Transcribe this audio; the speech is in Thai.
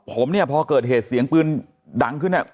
ผมเนี่ยพอเกิดเหตุเสียงปืนดังขึ้นเนี่ย